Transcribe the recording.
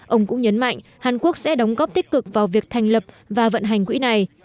ông cũng nhấn mạnh hàn quốc sẽ đóng góp tích cực vào việc thành lập và vận hành quỹ này